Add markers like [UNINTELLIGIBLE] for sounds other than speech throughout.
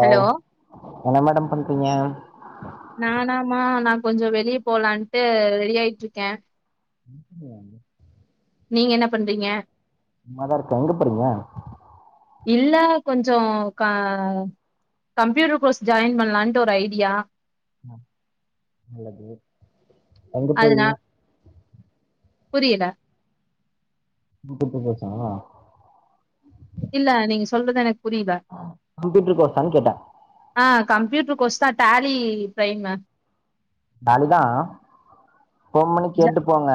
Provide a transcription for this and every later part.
ஆ hello என்ன madam பண்றீங்க நானாமமா நா கொஞ்ச வெளியே போலான்ட்டு ரெடி ஆயிட்டு இருக்கே வாங்கு நீங்க என்ன பண்றீங்க சும்மா தா இருக்கே எங்க போறீங்க இல்ல கொஞ்ச க கம்ப்யூட்டர் கோர்ஸ் ஜாயின் பண்ணலான்ட்டு ஒரு ஐடியா ஆ நல்லது எங்க போய் அதுனா புரியல குட்டு [INAUDIBLE] இல்ல நீங்க சொல்றது எனக் கம்ப்யூட்டர் கோர்ஸ்சானு கேட்ட ஆ கம்ப்யூட்டர் கோர்ஷ் தா டரி பிரைம் மம் டரி தா போன் பண்ணி ஜ கேட்டு போங்க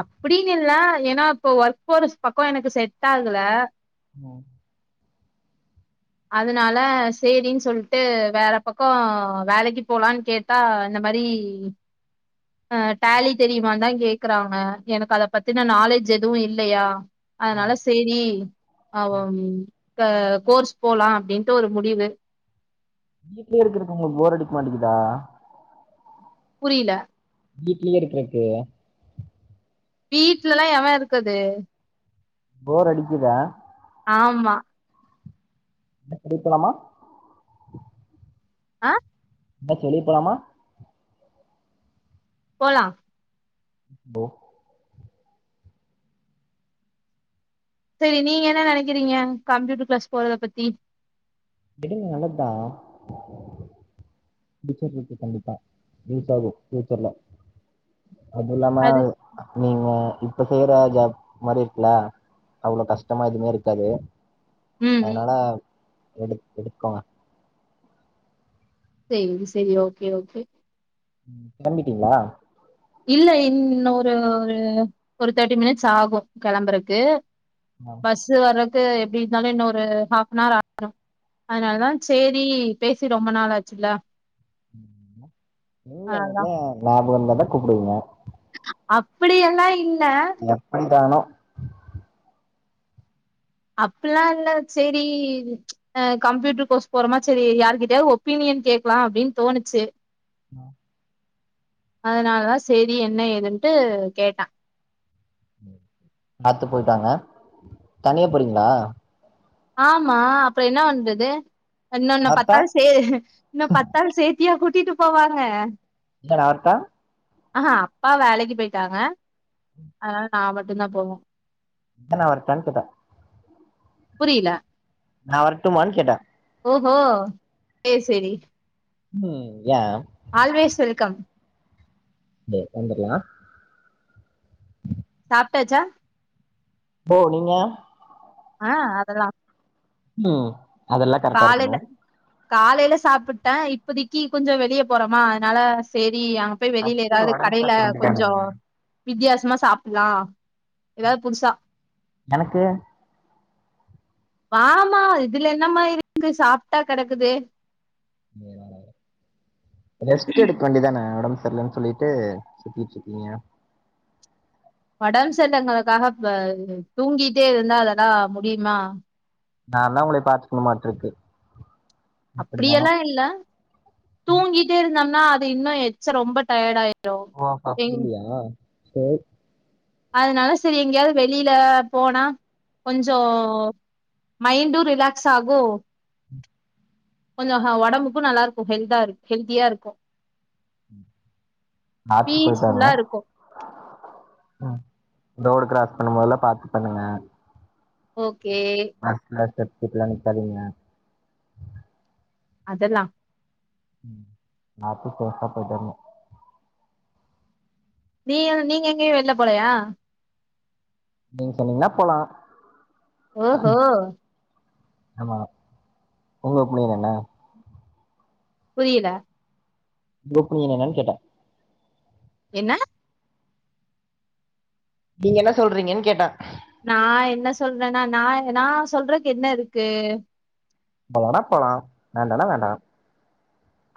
அப்டின்னு இல்ல ஏன்னா இப்ப ஒர்க் போற பக்கம் எனக்கு செட் ஆகல ஆ அதனால சரின்னு சொல்லிட்டு வேற பக்கம் வேலைக்கு போலான்னு கேட்டா இந்த மாரி அ டலி தெரியுமா தா கேக்குறாங்க எனக்கு அத பத்தினா நாலேஜ் எதுவு இல்லையா ஆ அதனால சரி அ கோர்ஸ் போலா அப்படின்ட்டு ஒரு முடிவு வீட்லயே இருக்கக்கு உங்களுக்கு போர் அடிக்க மாட்டேங்குதா புரியல வீட்லயே இருக்கறக்கு வீட்டு்லல்லா எவ இருக்கது போர் அடிக்குதா ஆமா கேகுதாமா ஆ எங்க ஆச்சு வெளிய போலாமா போலா போ சரி நீங்க என்ன நினைக்கிறீங்க கம்ப்யூட்டர் கிளாஸ் போறத பத்தி விடுங்க நல்லதா பியூட்டர் இருக்கு கண்டிப்பா ரீச் ஆகு பியூச்சர்ல அது இல்லாம நீங்க இப்ப செய்யற ஜாப் மாரி இருக்குல அவ்வளவு கஷ்டமா எதுவுமே இருக்காது ம் ம் அதனால எடு எடுக்கோங்க சரி சரி ஓகே ஓகே கிளம்பிட்டீங்களா இல்ல இன்னு ஒரு ஒரு ஒரு தேர்ட்டி மினிட்ஸ் ஆகு கெளம்பறக்கு பஸ்ஸு வறக்கு எப்டி இருந்தாலு இன்னு ஒரு ஹாஃப் னார் ஆ [INAUDIBLE] ரும் அதனாலதா சேரி பேசி ரொம்ப நாளாச்சுல்ல எங்க உங்களுகுல்லா ஞாபகோ வந்தா கூப்பிடுவிங்க அப்படியெல்லா இல் எப்டிதானோ அப்பில்லா இல்ல சேரி கம்ப்யூட்டர் கோர்ஸ் போறமா சேரி யாருகிட்டயாது ஒப்பீனியன் கேக்கலா அப்டின்னு தோணுச்சு [INAUDIBLE] அதனாலதா சேரி என்ன ஏதுன்ட்டு கேட்ட பாத்து போயிட்டு வாங்க தனியா போறிங்களா ஆமா அப்பறோ என்ன பண்றது இன்னொன்னு வரட்டா பத்தாள் சே இன்னு பத்தாள் சேத்தியா கூட்டிட்டு போவாங்க இல்ல நா வரட்டா அஹா அப்பா வேலைக்கு போயிட்டாங்க அதனால நா மட்டுதா போவோ இல்ல நா வரட்டானு கேட்ட புரில நா வரட்டுமான்னு கேட்ட ஓஹோ சே சேரி ம் யா ஆல்வேஸ் வெல்கம் சரி வந்தர்லா சாப்ட்டாச்சா ஓ நீங்க ஆஹ் அதல்லா உம் அதெல்லா கரெக்டா இருக்கணு காலேல சாப்புட்ட இப்பதைக்கு கொஞ்சோ வெளிய போறோமா அதனால சேரி ரி அங்க போய் வெளில ஃபர்ஸ்ட் எதாவது ஒடம்பு கடைல பாக்க வேண்டியதானே கொஞ்சோ வித்தியாசமா சாப்டலா எதாவது புதுசா எனக்கு ஆமா இதுல என்னமா இருக்குது சாப்ட்டா கெடக்குது ரெஸ்ட் எடுக்க வேண்டிதான ஒடம் தெரலன்னு சொல்லிட்டு சுத்திட்டு இருக்கீங்க ஒடம்பு சரியில்லங்கறதுக்காக ‌அ தூங்கிட்டே இருந்தா அதெல்லா முடியுமா நா தா உங்களய பாத்துக்கணு மாட்ருக்கு அப்டியெல்லா இல்ல தூங்கிட்டே இருந்தோம்னா அது இன்னு எச்ச ரொம்ப டயர்டா ஆயி ஓ அப்ப எங் அப்டிங்களா சேரி அதனால சரி எங்கயாவது வெளில போனா கொஞ்சோ மைண்டு ரிலாக்ஸ் ஆகு கொஞ்சோ ஹ ஒடம்புக்கு நல்லா இருக்கு ஹெல்தா இரு ஹெல்தியா இருக்கு பாத்து பீஸ்ஃபுல்லா இருக்கு உம் ரோடு க்ராஸ் பண்ணும் போதெல்லா பாத்து பண்ணுங்க ஓ ஆக்ஸ்லேட்டர் கிட்டலா நிக்காதீங்க அதெல்லா பாத்து சேஃபா போயிட்டு வரனு நீ நீங்க எங்கயு வெள்ல போலையா நீங்க சொன்னீங்கன்னா போலா ஒஹோ ஆமா உங்க பேர் என்ன புரியல குரூப் நேம் என்னன்னு கேட்ட என்ன நீங்க என்ன சொல்றீங்கன்னு கேட்ட நா என்ன சொல்றேன்னா நா நா சொல்றதுக்கு என்ன இருக்கு போண்ணா போலா வேண்டனா வேண்டா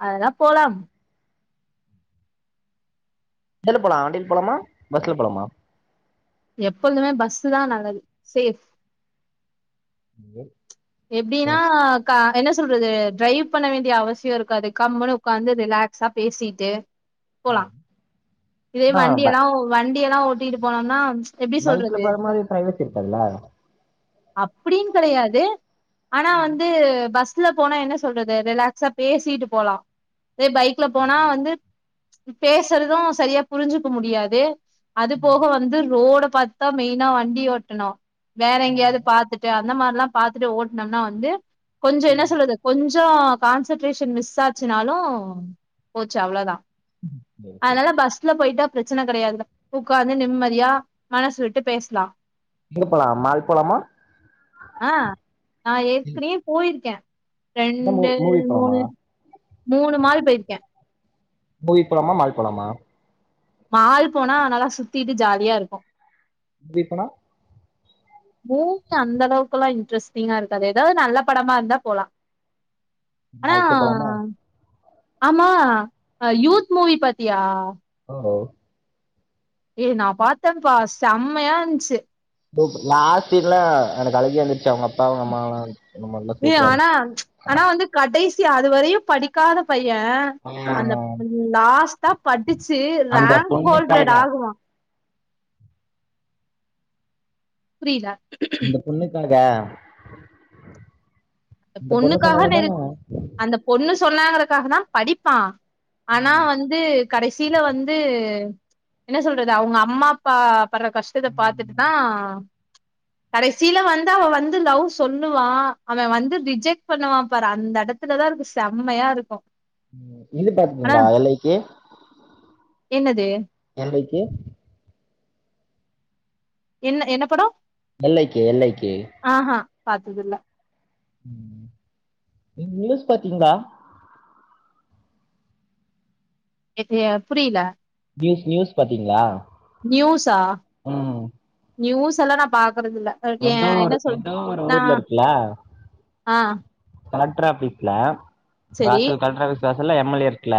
அதல்லா போலாம் எதுல போலா வண்டியில போலாமா பஸ்ல போலாமா எப்பொழுதுமே பஸ்சு தா நல்லது சேஃப் ஏ எப்படினா க என்ன சொல்றது டிரைவ் பண்ண வேண்டிய அவசிய இருக்காது கம்ன்னு உட்காந்து ரிலாக்ஸா பேசிட்டு போலா இதே ஆ வண்டி ப எல்லா வண்டிெல்லா ஓட்டிட்டு போனோம்னா எப்டி பைக்ல சொல்றது போற மாதிரி பிரைவேட் இருக்கதுல அப்படின்னு கிடையாது ஆனா வந்து பஸ் பஸ்ல போனா என்ன சொல்றது ரிலாக்ஸா பேசிட்டு போலா அதே பைக்ல போனா வந்து பேசுறது சரியா புரிஞ்சுக்க முடியாது அது போக வந்து ரோட பார்த்துதா மெயினா வண்டி ஓட்டணு வேற எங்கேயாவது பாத்துட்டு அந்த மாதிரல்லா பாரத்துட்டு ஓட்டனம்னா வந்து கொஞ்ச என்ன சொல்றது கொஞ்ச கான்சன்ட்ரேஷன் மிஸ் ஆச்சுனாலு போச்சு அவ்வளோதா சரி, சரி. அதனால பஸ்ல போயிட்டா பிரச்சன கிடையாது உட்கார்ந்து நிம்மதியா மனசு விட்டு பேசலா எங்க போலா மால் போலாமா ஆ நான் ஏற்கனையே போயிருக்கே இல்ல மூ ரெண்டு மூவி போலாமா மூணு மூணு மால் போயிருக்கே மூவி போலாம மால் போலாமா மால் போனா நல்ல சுத்திட்டு ஜாலியா இருக்கு பீட் பண்ணா மூவி அந்த அளவுக்கு எல்லா இன்ட்ரெஸ்ட்டிங்கா இருக்காது ஏதாவது நல்ல படமா இருந்தா போலா ஆனா மால் கே போலாமா ஆமா யூத் மூவி பாத்தியா ஓ ஏ நா பார்த்தன்ப்பா செம்மையா இருந்துச்சு லாஸ்ட் சீன்ல எனக்கு அழுகை வந்துருச்சு அவங்க பாவ நம்மாம் நம்ம நல்லா சூப்பரா இருச்சு சு அதுவரையு படிக்காத பை ஏ அந்த ஆ லாஸ்டா படிச்சு அந்த ரேங்க் ஹோல்டட் பொண்ணுக்காக ஆகு வா புரியலா அந்த பொண்ணுக்காக அந்த இந்த பொண்ணு சொன்ன பொண்ணுக்காக உடனே தான் நிர் அந்த பொண்ணு சொன்னாங்கற க்காக தா படிப்பா ஆனா ம் வந்து கடைசியில வந்து என்ன சொல்றது அவங்க அம்மா அப்பா படுற கஷ்டத்த பாத்துட்டு தா ம் கடைசியில வந்து அவ வந்து லவ் சொல்லுவா அவன் வந்து ரிஜெக்ட் பண்ணுவா பாரு அந்த இடத்துலதா இருக்கு செம்மையா இருக்கு இது பாத்துக்கீங்களா ஏல் லைக் கே என்னது லைக் கே என்ன என்ன படம் ஏல் லைக் கே ஏல் லைக் கே பாத்து இல்ல நீ நியூஸ் பாத்தீங்களா எத்து எ புரியில நியூஸ் நியூஸ் பாத்தீங்ளா நியூஸா ம் நியூஸ் எல்லா ந பாக் க்குறது இல்ல அ எ ஏதோ என்ன ஒரு சொல் ஏதோ ஒரு நா ஊர்ல இருக்குல்ல ஆ கலெட்டர் ஆபீஸ்ல சரி வாசல் கலெக்டர் ஆபீஸ் வாசல்ல எம் எல் ஏ இருக்ல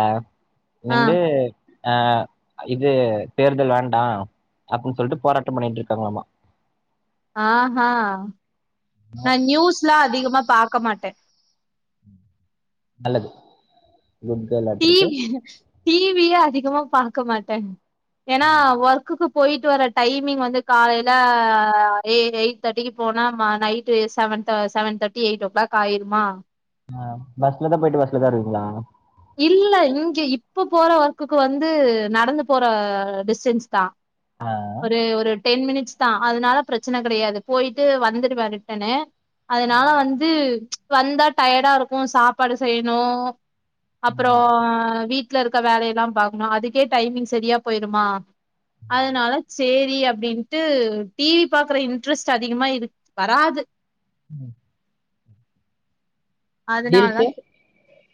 ஆ நின்டு அ இது தேர்தல் வேண்டா அப்டின் சொல்ட்டு போராட்டம் பண்ணிட்ருக்காங்ளாமா ஆஹா நா நியூஸ்லா அதிகமா பாக்க மாட்டே நல்லது குட் கேர்ளாட்ருக்கு டிவி டிவியே அதிகமா பாக்க மாட்டே ஏனா ஒர்க்குக்கு போய்ட்டு வர டைமிங் வந்து காலையில எ எயிட் தேட்டிக்கு போனா ம நைட்டு செவன் அன்ட செவன் தேட்டி எய்ட்டோ கிளாக் ஆயிருமா ஆ பஸ்ல தா போய்ட்டு பஸ்ல தா வருவீங்ளா இல்ல இங்க இப்ப போற ஒர்க்குக்கு வந்து நடந்து போற டிஸ்டன்ஸ் தா ஆ ஒரே ஒரு டென் மினிட்ஸ் தா அதனால பிரச்சன கெடையாது போயிட்டு வந்துடுவ ரிட்டனு அதனால வந்து ப்ச் வந்தா டயடா இருக்கு சாப்பாடு செய்யணு அப்றோ வீட்லருக்க வேல எல்லா பாக்கணு அதுக்கே டைமிங் செரியா போய்ருமா அதனால செரி அப்டின்ட்டு டிவி பாக்குற இன்ட்ரெஸ்ட் அதிகமா இரு வராது ம் அதனால் தா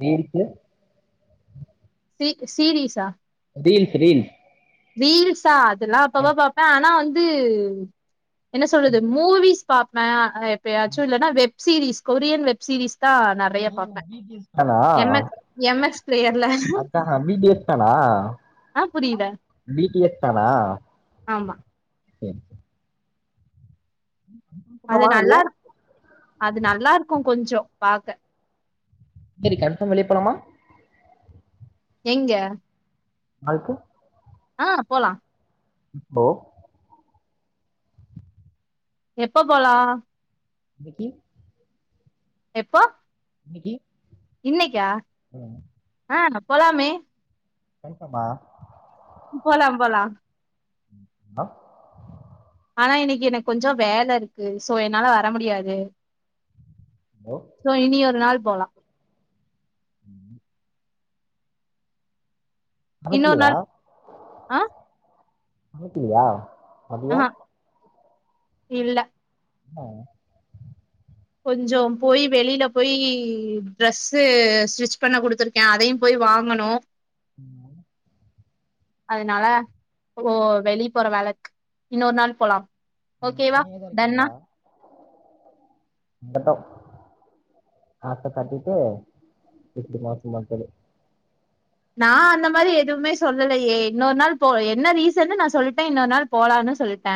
வேடிக்க சி சீரிஸா ரீல்ஸ் ரீல்ஸ் ரீல்ஸா அதெல்லா அப்பவா பாப்பே ஆனா வந்து என்ன சொல்றது மூவிஸ் பாப்பே அ எப்பயாச்சு இல்லனா வெப்சீரிஸ் கொரியன் வெப்சீரிஸ் ம் பி டி எஸ் தானா எம் எக்ஸ் எம் எக்ஸ் பிளேயர்ல அத்தா பி டி எஸ் தானா ஆ ஆ புரியில பி டி எஸ் தானா செரி செர் அது ஆமா நல்லா எ இரு- அது நல்லாருக்கு கொஞ்சோ பாக்க செரி கன்பாம் வெளிய போலாமா எங்க அதுக்கு ஆ போலா போ எப்ப போலா இன்னிக்கி எப்போ இன்னிக்கி இன்னைக்கா அ ஆ போலாமே கன்பாமா போலா போலா ஆ ஆனா இன்னைக்கி எனக் கொஞ்சோ வேலருக்கு சோ என்னால வர முடியாது ஹலோ சோ இனி ஒரு நாள் போலா ம் இன்னொரு சமைக்கலையா நாள் ஆ சாப்டுலையா மதிய ஆஹா இல்ல ஏ கொஞ்ச போய் வெளியில போய் ட்ரெஸ்ஸு ஸ்டிச் பண்ண குடுத்துருக்கே அதையு போய் வாங்கணு உம் அதனால ஓ வெளிய போற வேல இருக்கு இன்னொரு நாள் போலா உம் தனியாதா இருக்கீங்களா மோ டம் அத கட்டிட்டு இப்படி மாட் மாட்டே லே நா அந்த மாதிரி எதுவுமே சொல்லலைய இன்னொரு நாள் போ என்ன ரீசன்னு நா சொல்லிட்டே இன்னொரு நாள் போலானனு சொல்லிட்ட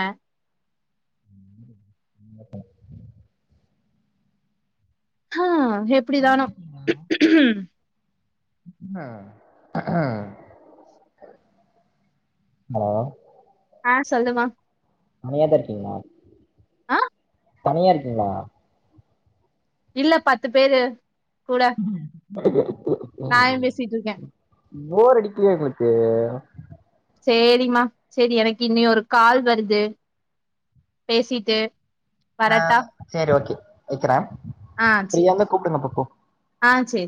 [INAUDIBLE] ஆ எப்படிதானோ ஆ அ ஆ ஆ ஆ சொல்லுமா தனியா தா இருக்கீங்களா ஆ தனியா இருக்கீங்களா இல்ல பத்து பேரு கூட [UNINTELLIGIBLE] நாயு பேசிட்டு இருக்கே போர் அடிக்களையா உங்களுக்கு சரிம்மா சரி எனக்கு இன்னி ஒரு கால் வருது பேசிட்டு ஆ வரட்டா சரி ஓகே வைக்கிற ஆ ஃப்ரீயா சேரி இருந்த கூப்பிடுங்க அப்பப்போ ஆ சேரி